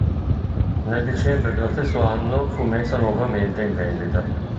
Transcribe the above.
Nel dicembre dello stesso anno fu messa nuovamente in vendita.